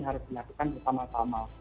harus dilakukan utama tama